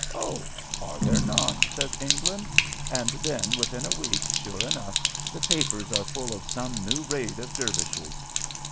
'Oh, are there not?' says England, and then within a week sure enough the papers are full of some new raid of Dervishes.